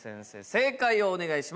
正解をお願いします。